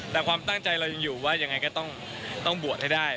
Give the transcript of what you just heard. แต่ความตั้งใจเรายังอยู่ว่ายังไงก็ต้องบวชให้ได้